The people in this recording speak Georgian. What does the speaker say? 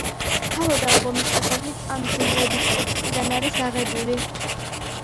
თავად ალბომის სახელიც ამ სიმღერის ტექსტიდან არის აღებული.